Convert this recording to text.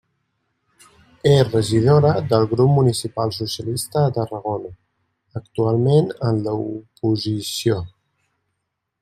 És regidora del Grup Municipal Socialista de Tarragona, actualment en l'oposició.